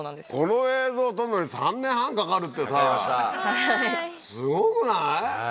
この映像撮るのに３年半かかるってさすごくない⁉